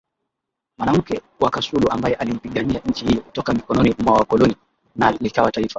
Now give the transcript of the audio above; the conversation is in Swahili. mwanamke wa kasulu ambae aliipigania nchi hii kutoka mikononi mwa wakoloni na likawa Taifa